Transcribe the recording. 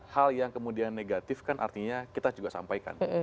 hal yang kemudian negatif kan artinya kita juga sampaikan